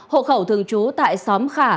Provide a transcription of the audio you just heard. hộ khẩu thường trú tại xóm khả